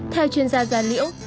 theo chuyên gia gia liễu